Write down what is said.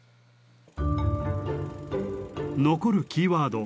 残るキーワード